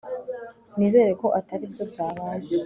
Nizere ko atari byo byabaye